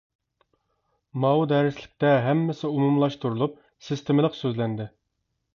ماۋۇ دەرسلىكتە ھەممىسى ئومۇملاشتۇرۇلۇپ سىستېمىلىق سۆزلەندى.